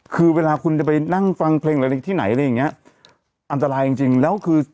คือเวลาคุณจะไปนั่งฟังเพลงอะไรที่ไหนอะไรอย่างเงี้ยอันตรายจริงจริงแล้วคือ